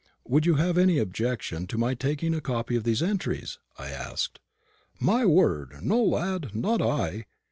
"Would you have any objection to my taking a copy of these entries?" I asked. "My word, no, lad; not I.